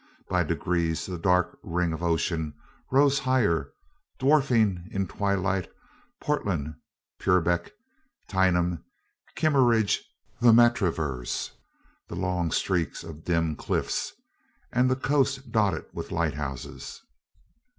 By degrees the dark ring of ocean rose higher, dwarfing in twilight Portland, Purbeck, Tineham, Kimmeridge, the Matravers, the long streaks of dim cliffs, and the coast dotted with lighthouses.